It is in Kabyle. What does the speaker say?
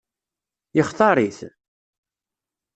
Yextaṛ-it?